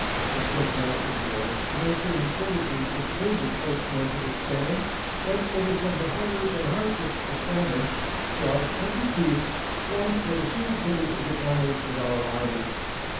The steadfast endurance and unfailing fortitude which enabled Pike's men to withstand and overcome the horrors and hardships of famine, frost, and fatigue, form but a single page of the annals of our army.